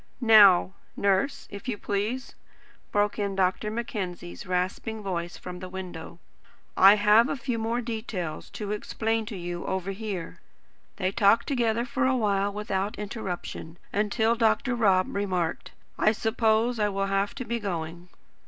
"Now, Nurse, if you please," broke in Dr. Mackenzie's rasping voice from the window, "I have a few more details to explain to you over here." They talked together for a while without interruption, until Dr. Rob remarked: "I suppose I will have to be going."